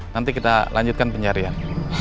nanti kita lanjutkan pencarian